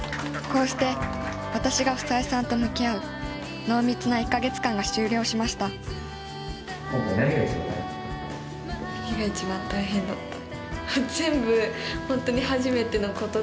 こうして私が房枝さんと向き合う濃密な１か月間が終了しました何が一番大変だった。